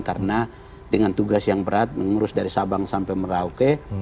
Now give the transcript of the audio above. karena dengan tugas yang berat mengurus dari sabang sampai merauke